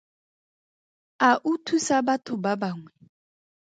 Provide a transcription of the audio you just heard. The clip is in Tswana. A o thusa batho ba bangwe?